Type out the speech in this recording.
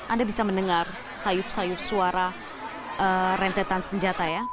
anda bisa mendengar sayup sayup suara rentetan senjata ya